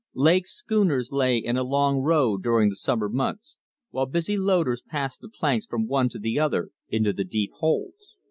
Lake schooners lay in a long row during the summer months, while busy loaders passed the planks from one to the other into the deep holds.